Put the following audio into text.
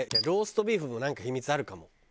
ローストビーフもなんか秘密あるかも。